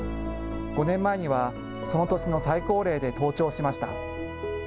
５年前にはその年の最高齢で登頂しました。